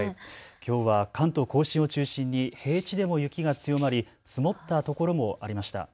きょうは関東甲信を中心に平地でも雪が強まり積もったところもありました。